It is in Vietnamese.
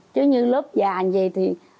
chứ như lớp già như vậy thì